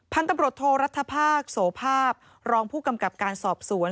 พันธุ์ตำรวจโทรรัฐภาคโสภาพรองผู้กำกับการสอบสวน